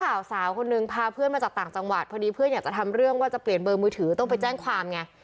สาวคนนึงพาเพื่อนมาจากต่างจังหวัดพอดีเพื่อนอยากจะทำเรื่องว่าจะเปลี่ยนเบอร์มือถือต้องไปแจ้งความไง